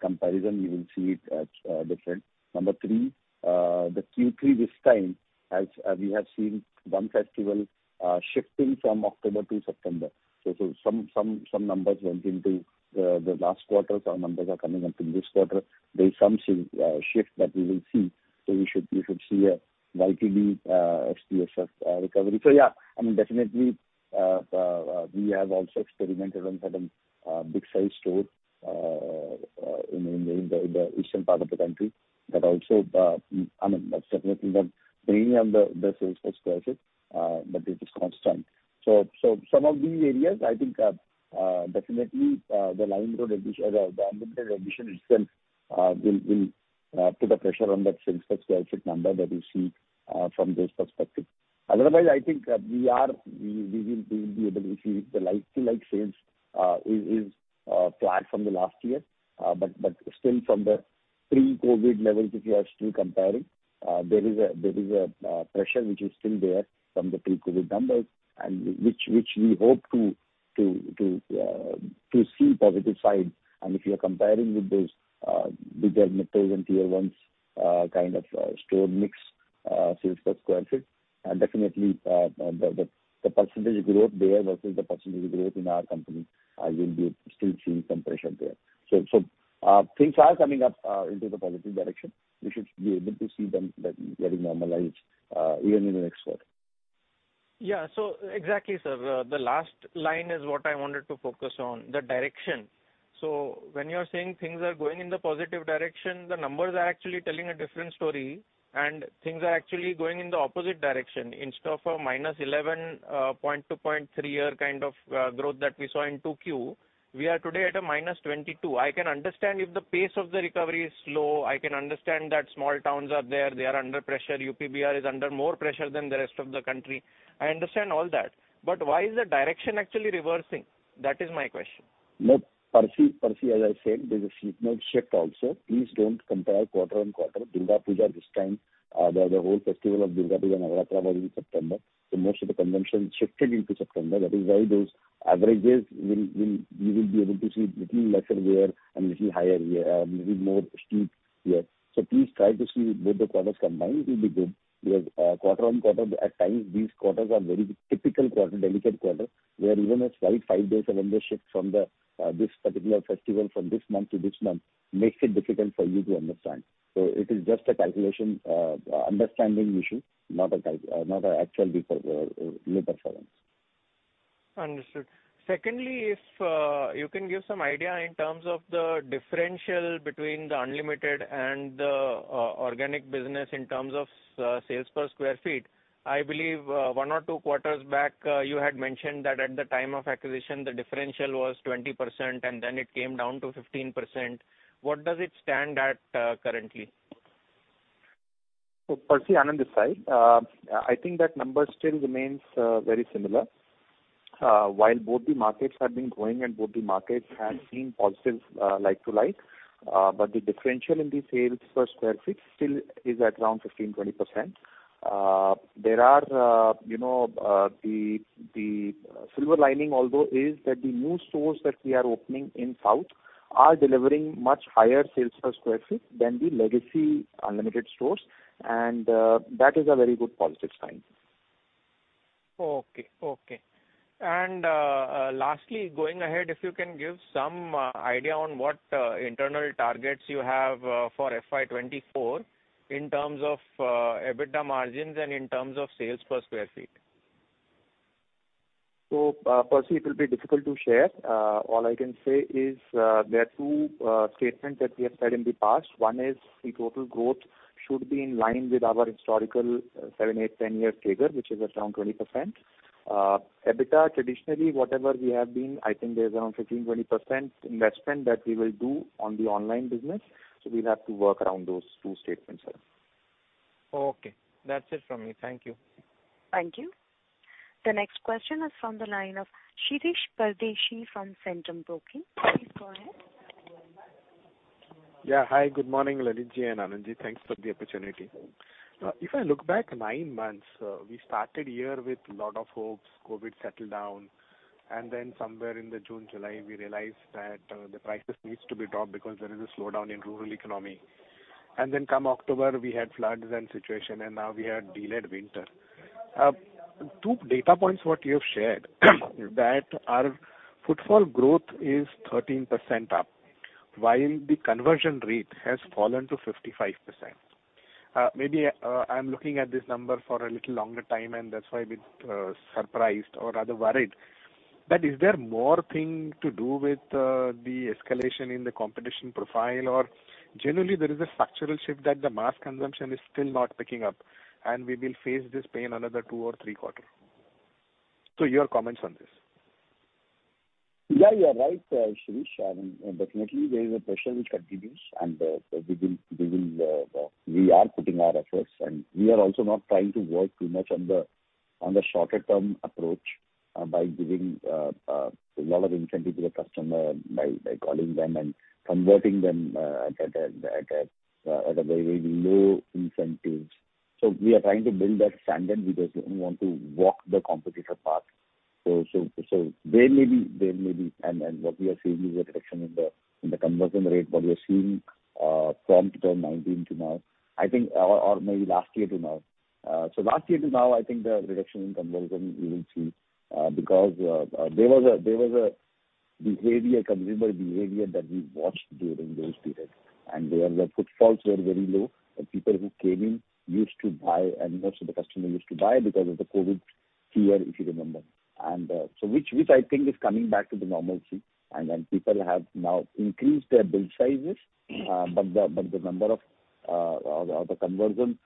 Speaker 3: comparison, you will see it different. Number three, the Q3 this time as we have seen one festival shifting from October to September. Some numbers went into the last quarter. Some numbers are coming up in this quarter. There is some shift that we will see. We should see a YQB, SPSF recovery. Yeah, I mean, definitely, we have also experimented on certain big size store in the eastern part of the country. That also, I mean, that's definitely then bringing up the sales per square feet, but it is constant. Some of these areas I think are definitely the LimeRoad addition or the Unlimited addition itself will put a pressure on that sales per square feet number that we see from this perspective. Otherwise, I think, we are, we will be able to see the like-for-like sales is flat from the last year. But still from the pre-COVID levels, if you are still comparing, there is a pressure which is still there from the pre-COVID numbers and which we hope to see positive side. If you are comparing with those bigger Metros and Tier Ones kind of store mix, sales per square feet, definitely, the percentage growth there versus the percentage growth in our company, you will be still seeing some pressure there. Things are coming up into the positive direction. We should be able to see them getting normalized even in the next quarter.
Speaker 7: Yeah. Exactly, sir. The last line is what I wanted to focus on, the direction. When you are saying things are going in the positive direction, the numbers are actually telling a different story, and things are actually going in the opposite direction. Instead of a minus 11.2, 0.3 year kind of growth that we saw in 2Q, we are today at a -22. I can understand if the pace of the recovery is slow. I can understand that small towns are there, they are under pressure. UPBR is under more pressure than the rest of the country. I understand all that. Why is the direction actually reversing? That is my question.
Speaker 3: Percy, as I said, there's a seasonal shift also. Please don't compare quarter on quarter. Durga Puja this time, the whole festival of Durga Puja Navaratri was in September. Most of the consumption shifted into September. That is why those averages you will be able to see little lesser there and little higher here, maybe more steep here. Please try to see both the quarters combined, it will be good. Quarter on quarter at times these quarters are very typical quarter, delicate quarter, where even a slight five days calendar shift from the this particular festival from this month to this month makes it difficult for you to understand. It is just a calculation, understanding issue, not a actual low performance.
Speaker 7: Understood. Secondly, if you can give some idea in terms of the differential between the Unlimited and the organic business in terms of sales per square feet? I believe, one or two quarters back, you had mentioned that at the time of acquisition the differential was 20% and then it came down to 15%. What does it stand at, currently?
Speaker 4: Percy, Anand this side. I think that number still remains very similar. While both the markets have been growing and both the markets have seen positive like-for-like, but the differential in the sales per square feet still is at around 15%, 20%. There are, you know, the silver lining although is that the new stores that we are opening in South are delivering much higher sales per square feet than the legacy Unlimited stores and that is a very good positive sign.
Speaker 7: Okay. Lastly going ahead, if you can give some idea on what internal targets you have for FY24 in terms of EBITDA margins and in terms of sales per square feet.
Speaker 3: Percy, it will be difficult to share. All I can say is, there are two statements that we have said in the past. One is the total growth should be in line with our historical seven, eight, 10 years rigor, which is around 20%. EBITDA traditionally, whatever we have been, I think there's around 15%, 20% investment that we will do on the online business. We'll have to work around those two statements here.
Speaker 7: Okay. That's it from me. Thank you.
Speaker 1: Thank you. The next question is from the line of Shirish Pardeshi from Centrum Broking. Please go ahead.
Speaker 8: Yeah. Hi, good morning, Lalit-ji and Anand-ji. Thanks for the opportunity. If I look back nine months, we started year with lot of hopes, COVID settled down, somewhere in the June, July, we realized that the prices needs to be dropped because there is a slowdown in rural economy. Come October, we had floods and situation, and now we had delayed winter. Two data points what you have shared that our footfall growth is 13% up while the conversion rate has fallen to 55%. Maybe, I'm looking at this number for a little longer time, and that's why a bit surprised or rather worried. Is there more thing to do with the escalation in the competition profile? Generally there is a structural shift that the mass consumption is still not picking up, and we will face this pain another two or three quarter. Your comments on this.
Speaker 3: You are right, Shirish. I mean, definitely there is a pressure which continues and we will, we are putting our efforts and we are also not trying to work too much on the shorter term approach by giving a lot of incentive to the customer by calling them and converting them at a very, very low incentives. We are trying to build that standard because we want to walk the competitive path. there may be, there may be. What we are seeing is a reduction in the conversion rate, what we are seeing from 2019 to now. I think or maybe last year to now. Last year to now, I think the reduction in conversion we will see, because there was a behavior, consumer behavior that we watched during those periods. There the footfalls were very low. The people who came in used to buy, and most of the customers used to buy because of the COVID fear, if you remember. Which, which I think is coming back to the normalcy. People have now increased their bill sizes. The number of, or the conversion,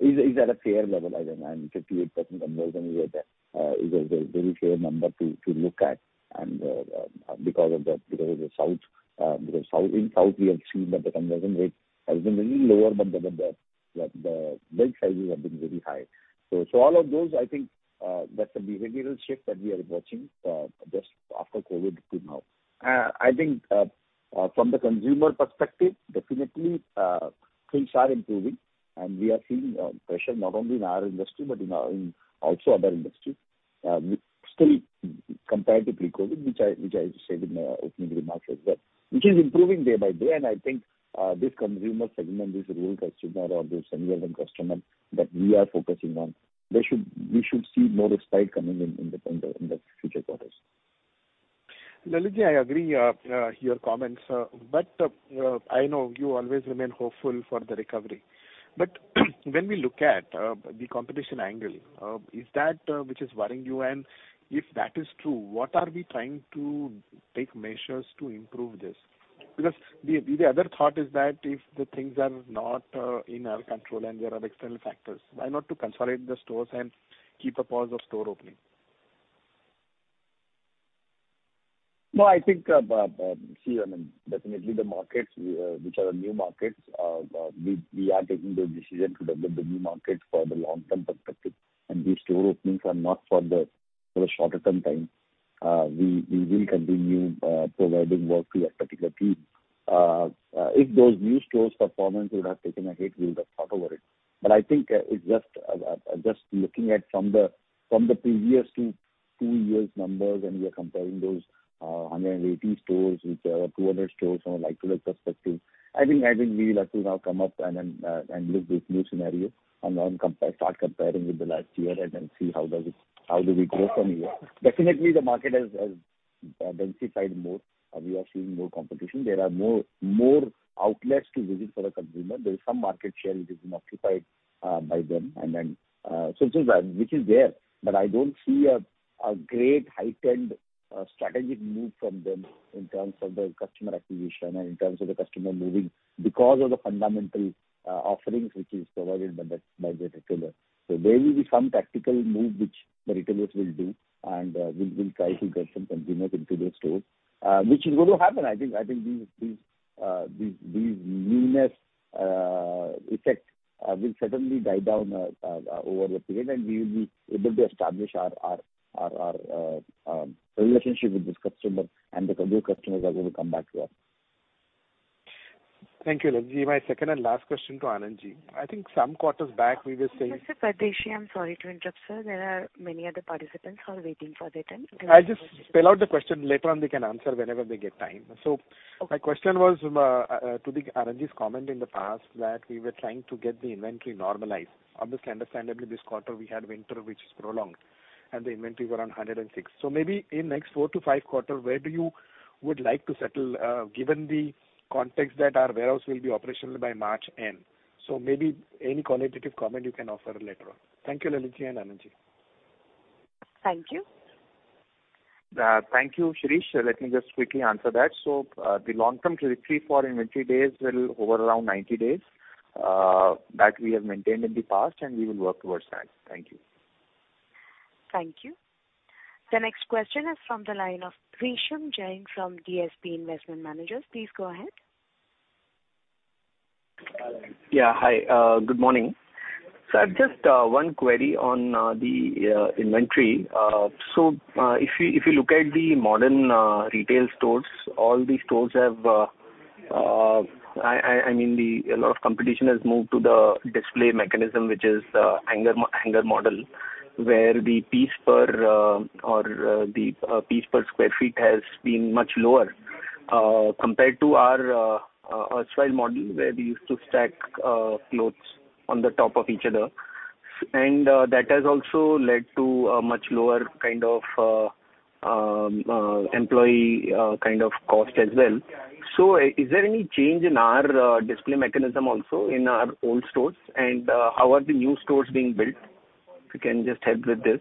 Speaker 3: is at a fair level, I think. 58% conversion rate, is a very fair number to look at. Because of the, because of the south, in south we have seen that the conversion rate has been really lower, but the bill sizes have been really high. All of those I think, that's a behavioral shift that we are watching just after COVID till now. I think, from the consumer perspective, definitely, things are improving and we are seeing pressure not only in our industry but in our also other industry. We still compared to pre-COVID, which I said in my opening remarks as well, which is improving day by day. I think, this consumer segment, this rural customer or this unorganized customer that we are focusing on, we should see more respite coming in the future quarters.
Speaker 8: Lalit-ji, I agree your comments. I know you always remain hopeful for the recovery. When we look at the competition angle, is that which is worrying you? If that is true, what are we trying to take measures to improve this? The other thought is that if the things are not in our control and there are external factors, why not to consolidate the stores and keep a pause of store opening.
Speaker 3: No, I think, see, I mean, definitely the markets, which are new markets, we are taking the decision to develop the new markets for the long term perspective. These store openings are not for the shorter term time. We will continue providing work to a particular team. If those new stores' performance would have taken a hit, we would have thought about it. I think, it's just looking at from the previous two years' numbers, and we are comparing those 180 stores with 200 stores from a like-for-like perspective. I think we'll have to now come up and then and look this new scenario and now start comparing with the last year and then see how does it. How do we grow from here. Definitely, the market has densified more. We are seeing more competition. There are more outlets to visit for a consumer. There is some market share which has been occupied by them, that which is there, but I don't see a great heightened strategic move from them in terms of the customer acquisition and in terms of the customer moving because of the fundamental offerings which is provided by the retailer. There will be some tactical move which the retailers will do, and we'll try to get some consumer into the store which is going to happen. I think these newness effect will certainly die down over a period. We will be able to establish our relationship with this customer. The value customers are going to come back to us.
Speaker 8: Thank you, Lalit. My second and last question to Anand ji. I think some quarters back we were saying-
Speaker 1: Mr. Pardeshi, I'm sorry to interrupt, sir. There are many other participants who are waiting for their turn.
Speaker 8: I'll just spell out the question. Later on, they can answer whenever they get time.
Speaker 1: Okay.
Speaker 8: My question was to Anand's comment in the past that we were trying to get the inventory normalized. Obviously, understandably, this quarter we had winter, which is prolonged, and the inventory were on 106. Maybe in next four to five quarter, where do you would like to settle, given the context that our warehouse will be operational by March end? Maybe any quantitative comment you can offer later on. Thank you, Lalit ji and Anand ji.
Speaker 1: Thank you.
Speaker 3: Thank you, Shirish. Let me just quickly answer that. The long-term trajectory for inventory days will over around 90 days that we have maintained in the past, and we will work towards that. Thank you.
Speaker 1: Thank you. The next question is from the line of Resham Jain from DSP Investment Managers. Please go ahead.
Speaker 9: Yeah. Hi. Good morning. I've just one query on the inventory. If you look at the modern retail stores, all these stores have I mean, a lot of competition has moved to the display mechanism, which is hanger model, where the piece per or the piece per sq ft has been much lower compared to our swale model, where we used to stack clothes on the top of each other. That has also led to a much lower kind of employee kind of cost as well. Is there any change in our display mechanism also in our old stores? How are the new stores being built? If you can just help with this.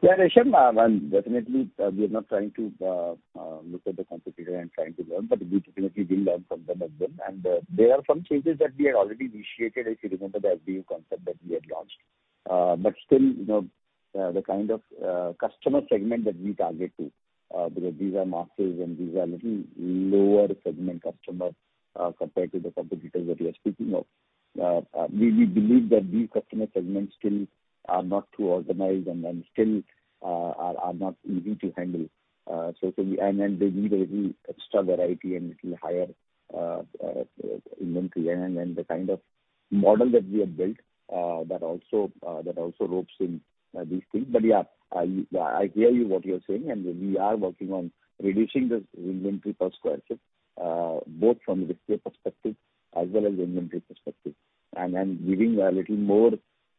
Speaker 3: Yeah, Resham, definitely, we are not trying to look at the competitor and trying to learn, but we definitely will learn from them as well. There are some changes that we have already initiated, if you remember the FDU concept that we had launched. Still, you know, the kind of customer segment that we target to, because these are masters and these are a little lower segment customer, compared to the competitors that you are speaking of. We believe that these customer segments still are not too organized and still are not easy to handle. They need a little extra variety and little higher inventory. that we have built, that also, that also ropes in these things. But yeah, I hear you, what you're saying, and we are working on reducing this inventory per square foot, both from the display perspective as well as inventory perspective, and giving a little more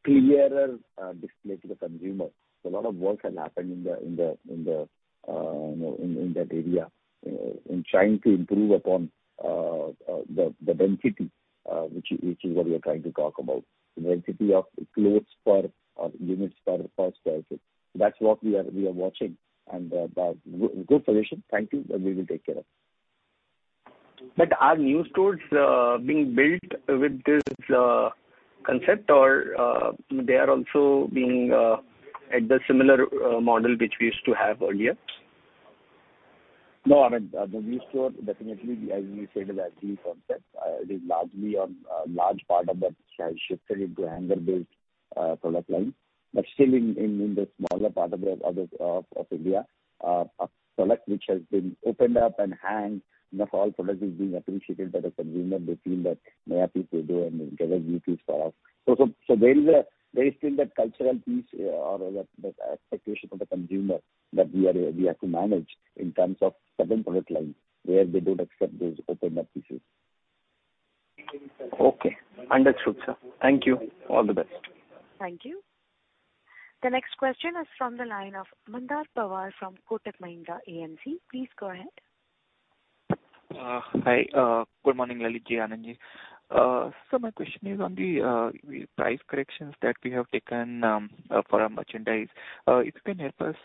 Speaker 3: clearer display to the consumer. A lot of work has happened in the in the in the, you know, in that area, in trying to improve upon the density, which is what you are trying to talk about, the density of clothes per or units per square foot. That's what we are watching and good observation. Thank you. We will take care of.
Speaker 9: Are new stores being built with this concept or they are also being at the similar model which we used to have earlier?
Speaker 3: I mean, the new store, definitely as we said, is FDU concept. A large part of that has shifted into hanger-based, product line. Still in the smaller part of India, a product which has been opened up and hanged, not all products is being appreciated by the consumer. They feel that may have people do and get a view to stock. There is still that cultural piece or the expectation from the consumer that we are, we have to manage in terms of certain product lines where they don't accept those opened up pieces.
Speaker 9: Okay. Understood, sir. Thank you. All the best.
Speaker 1: Thank you. The next question is from the line of Mandar Pawar from Kotak Mahindra AMC. Please go ahead.
Speaker 10: Hi. Good morning, Lalit ji, Anand ji. My question is on the price corrections that we have taken for our merchandise. If you can help us,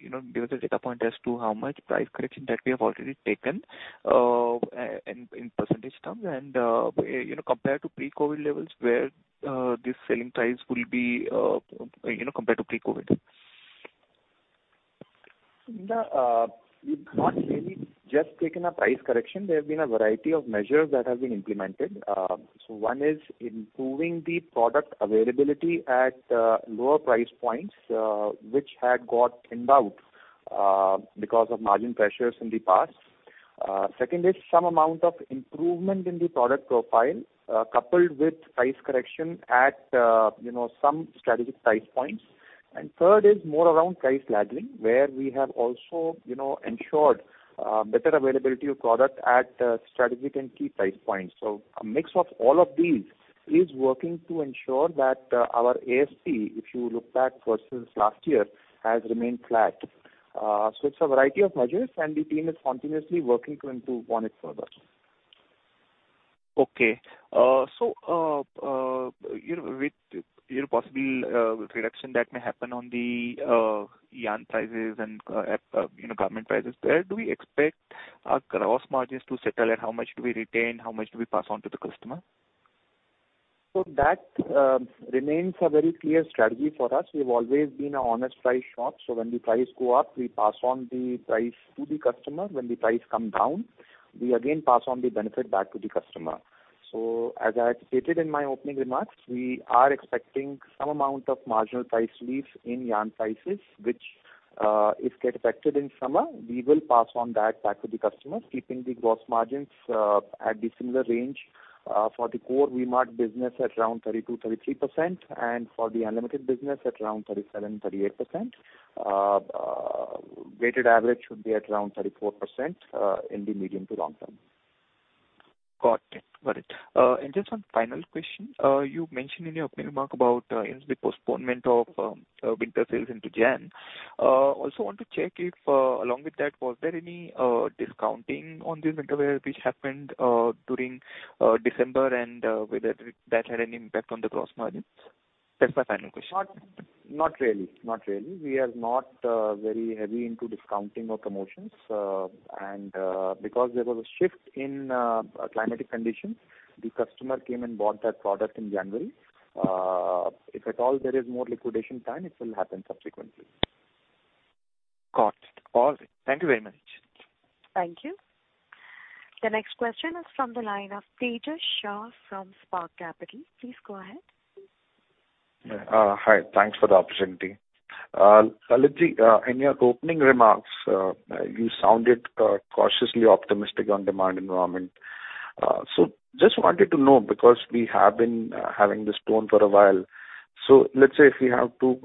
Speaker 10: you know, give us a data point as to how much price correction that we have already taken in percentage terms, and you know, compared to pre-COVID levels, where this selling price will be, you know, compared to pre-COVID?
Speaker 4: We've not really just taken a price correction. There have been a variety of measures that have been implemented. One is improving the product availability at lower price points, which had got thinned out because of margin pressures in the past. Second is some amount of improvement in the product profile, coupled with price correction at, you know, some strategic price points. Third is more around price lagging, where we have also, you know, ensured better availability of product at strategic and key price points. A mix of all of these is working to ensure that our ASC, if you look back versus last year, has remained flat. It's a variety of measures, and the team is continuously working to improve on it further.
Speaker 10: Okay. You know, with your possible reduction that may happen on the yarn prices and, you know, garment prices there, do we expect our gross margins to settle and how much do we retain, how much do we pass on to the customer?
Speaker 4: That remains a very clear strategy for us. We've always been an honest price shop, when the price go up, we pass on the price to the customer. When the price come down, we again pass on the benefit back to the customer. As I had stated in my opening remarks, we are expecting some amount of marginal price relief in yarn prices, which, if get affected in summer, we will pass on that back to the customers, keeping the gross margins at the similar range for the core V-Mart business at around 32%-33% and for the Unlimited business at around 37%-38%. Weighted average should be at around 34% in the medium to long term.
Speaker 10: Got it. Got it. Just one final question. you mentioned in your opening remark about, you know, the postponement of winter sales into January. also want to check if along with that, was there any discounting on the winter wear which happened during December, and whether that had any impact on the gross margins? That's my final question.
Speaker 4: Not really. Not really. We are not very heavy into discounting or promotions. Because there was a shift in climatic conditions, the customer came and bought that product in January. If at all there is more liquidation time, it will happen subsequently.
Speaker 10: Got it. All right. Thank you very much.
Speaker 1: Thank you. The next question is from the line of Tejash Shah from Spark Capital. Please go ahead.
Speaker 11: Hi. Thanks for the opportunity. Lalit, in your opening remarks, you sounded cautiously optimistic on demand environment. Just wanted to know, because we have been having this tone for a while. Let's say if we have to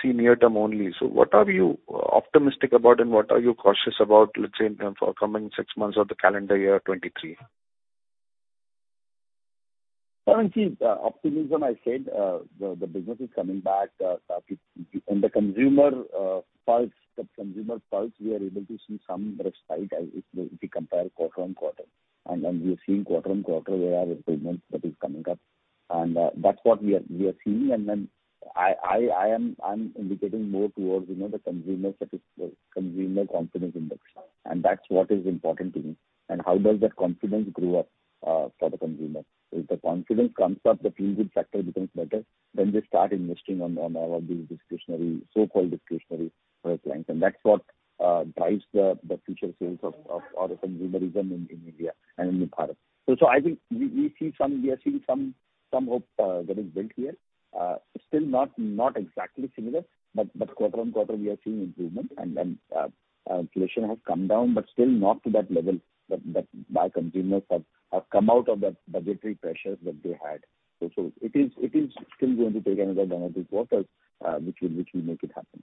Speaker 11: see near term only, what are you optimistic about and what are you cautious about, let's say, for coming six months of the calendar year 2023?
Speaker 3: Currently, the optimism I said, the business is coming back in the consumer pulse, the consumer pulse we are able to see some respite as if we compare quarter-on-quarter. We are seeing quarter-on-quarter there are improvements that is coming up and that's what we are seeing. I'm indicating more towards, you know, the consumer confidence index, and that's what is important to me. How does that confidence grow up for the consumer? If the confidence comes up, the feel good factor becomes better, then they start investing on these discretionary, so-called discretionary products. That's what drives the future sales of our consumerism in India and in Bharat. I think we see some hope that is built here. Still not exactly similar, but quarter on quarter we are seeing improvement. Then inflation has come down, but still not to that level that by consumers have come out of that budgetary pressures that they had. It is still going to take another one or two quarters, which will make it happen.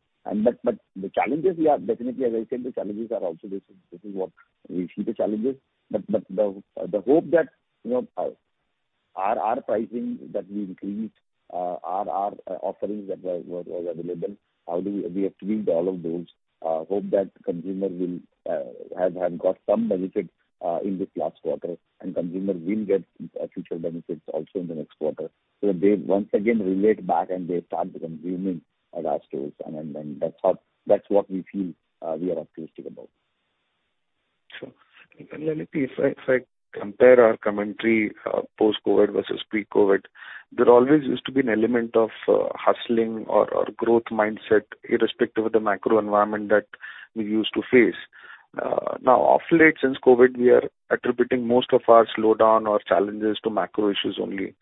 Speaker 3: The challenges, yeah, definitely as I said, the challenges are also there. This is what we see the challenges. The hope that, you know, our pricing that we increased, our offerings that was available, how do we have tweaked all of those, hope that consumer will have got some benefit in this last quarter, and consumers will get future benefits also in the next quarter. They once again relate back and they start consuming at our stores and then that's how, that's what we feel, we are optimistic about.
Speaker 11: Sure. Lalit, if I compare our commentary, post-COVID versus pre-COVID, there always used to be an element of hustling or growth mindset irrespective of the macro environment that we used to face. Now of late since COVID, we are attributing most of our slowdown or challenges to macro issues only.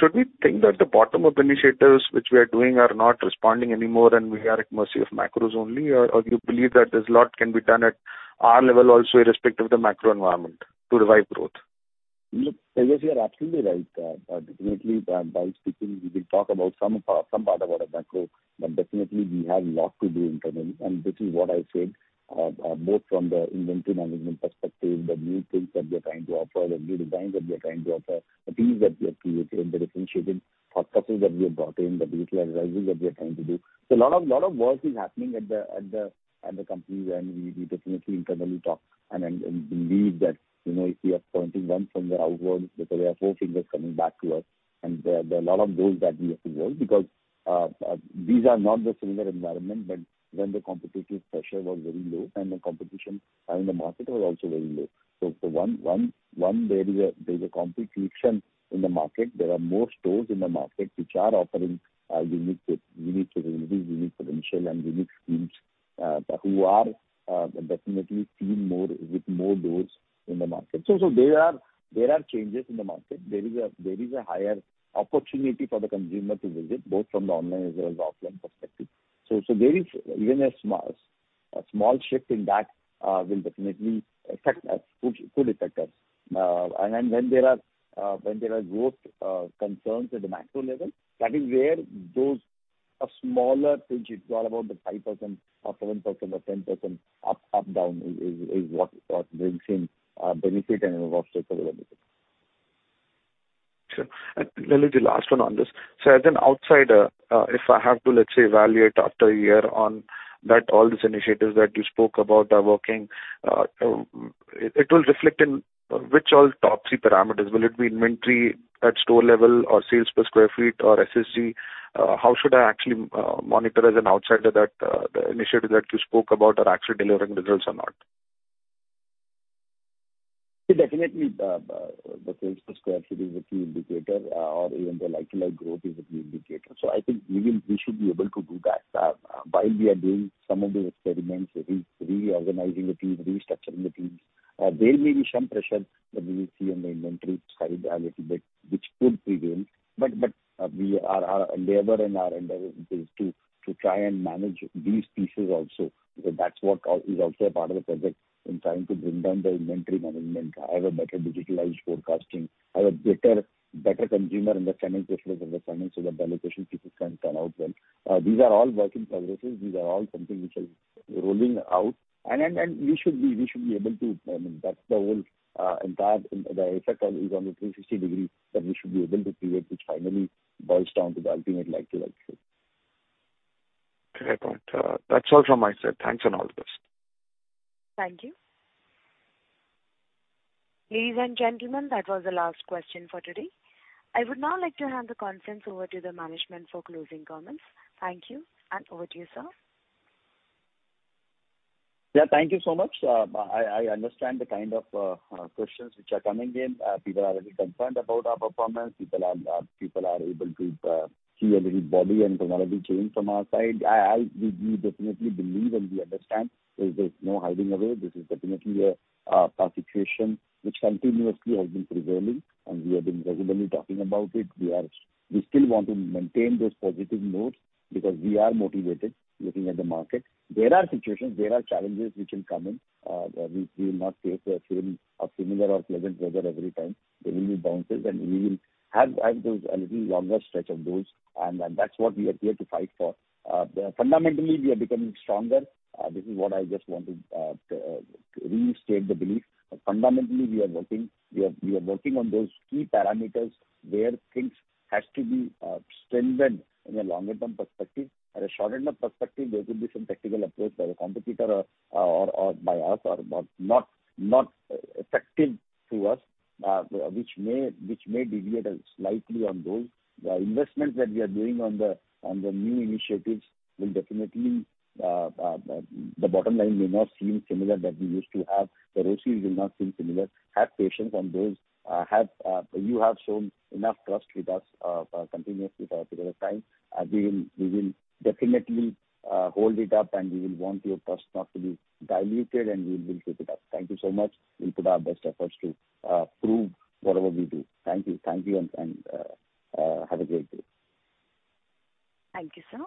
Speaker 11: Should we think that the bottom-up initiatives which we are doing are not responding anymore and we are at mercy of macros only? Or you believe that there's lot can be done at our level also irrespective of the macro environment to revive growth?
Speaker 3: Look, Tejash, you are absolutely right. definitely by speaking we will talk about some of our, some part about our macro, but definitely we have lot to do internally. This is what I said, both from the inventory management perspective, the new things that we are trying to offer, the new designs that we are trying to offer, the themes that we are creating, the differentiating processes that we have brought in, the digitalizing that we are trying to do. A lot of, lot of work is happening at the company and we definitely internally talk and believe that, you know, if we are pointing one finger outwards because there are four fingers coming back to us. There are a lot of those that we have to work because these are not the similar environment when the competitive pressure was very low and the competition and the market was also very low. There is a complete friction in the market. There are more stores in the market which are offering unique capabilities, unique potential and unique themes who are definitely seen more with more doors in the market. There are changes in the market. There is a higher opportunity for the consumer to visit both from the online as well as offline perspective. There is even a small shift in that will definitely affect us, could affect us. When there are growth concerns at the macro level, that is where those smaller things, it's all about the 5% or 7% or 10% up, down is what brings in benefit and what takes away benefit.
Speaker 11: Sure. Maybe the last one on this. As an outsider, if I have to, let's say, evaluate after a year on that all these initiatives that you spoke about are working, it will reflect in which all top three parameters? Will it be inventory at store level or sales per square feet or SSC? How should I actually monitor as an outsider that the initiatives that you spoke about are actually delivering results or not?
Speaker 3: Yeah, definitely, the sales per square feet is a key indicator, or even the like-for-like growth is a key indicator. I think we should be able to do that. While we are doing some of the experiments, reorganizing the teams, restructuring the teams, there may be some pressure that we will see on the inventory side a little bit, which could prevail. But our labor and our endeavor is to try and manage these pieces also. That's what is also a part of the project in trying to bring down the inventory management, have a better digitalized forecasting, have a better consumer understanding so as to the assignment, so the allocation pieces can turn out well. These are all work in progress. These are all something which is rolling out. We should be able to, I mean, that's the whole, entire, the effect is on the 360-degree that we should be able to create, which finally boils down to the ultimate like-for-like sales.
Speaker 11: Great point. That's all from my side. Thanks, and all the best.
Speaker 1: Thank you. Ladies and gentlemen, that was the last question for today. I would now like to hand the conference over to the management for closing comments. Thank you, over to you, sir.
Speaker 3: Yeah. Thank you so much. I understand the kind of questions which are coming in. People are a little concerned about our performance. People are, people are able to see a little body and tonality change from our side. I, we definitely believe and we understand there's no hiding away. This is definitely a tough situation which continuously has been prevailing, and we have been regularly talking about it. We still want to maintain those positive notes because we are motivated looking at the market. There are situations, there are challenges which will come in. We, we will not take the same or similar or pleasant weather every time. There will be bounces, and we will have those a little longer stretch of those, and that's what we are here to fight for. Fundamentally, we are becoming stronger. This is what I just want to restate the belief. Fundamentally, we are working. We are working on those key parameters where things has to be strengthened in a longer term perspective. At a shorter term perspective, there could be some tactical approach by a competitor or by us or not effective to us, which may deviate us slightly on those. The investments that we are doing on the new initiatives will definitely the bottom line may not seem similar that we used to have. The ROCE will not seem similar. Have patience on those. You have shown enough trust with us continuously for a period of time. We will definitely hold it up. We will want your trust not to be diluted. We will keep it up. Thank you so much. We'll put our best efforts to prove whatever we do. Thank you. Thank you. Have a great day.
Speaker 1: Thank you, sir.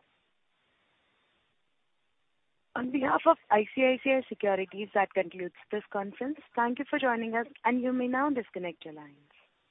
Speaker 1: On behalf of ICICI Securities, that concludes this conference. Thank you for joining us, and you may now disconnect your lines.